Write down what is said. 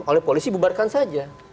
oleh polisi bubarkan saja